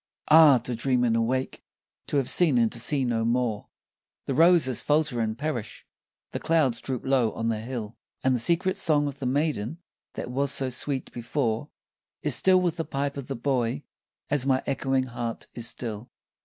Ah ! to dream and awake to have seen and to see no more ! The roses falter and perish, the clouds droop low on the hill, And the secret song of the maiden that was so sweet before Is still with the pipe of the boy, as my echoing heart is still.